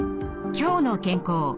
「きょうの健康」